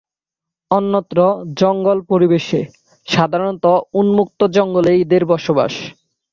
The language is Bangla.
অন্যত্র জঙ্গল পরিবেশে, সাধারনত উন্মুক্ত জঙ্গলে এদের বসবাস।